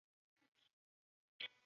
山东抗日根据地设。